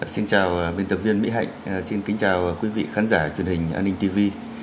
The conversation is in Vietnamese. xin chào biên tập viên mỹ hạnh xin kính chào quý vị khán giả truyền hình an ninh tv